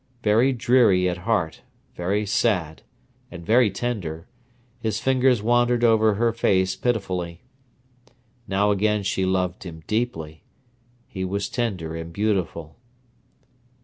Very dreary at heart, very sad, and very tender, his fingers wandered over her face pitifully. Now again she loved him deeply. He was tender and beautiful.